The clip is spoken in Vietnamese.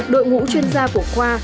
đội ngũ chuyên gia của khoa